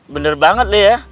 bener banget deh ya